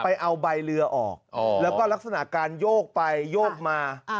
ไปเอาใบเรือออกแล้วก็ลักษณะการโยกไปโยกมา